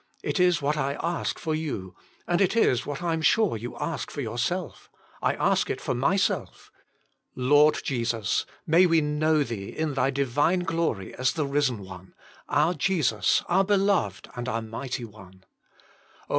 It is what I ask for you, and it is what I am sure Jesus Himself. 15 you ask for yourself. I ask it for my self. Lord Jesus! may we know Thee in thy divine glory as the risen One, our Jesus, our Beloved and our mighty One. Oh!